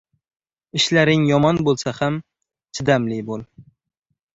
• Ishlaring yomon bo‘lsa ham, chidamli bo‘l.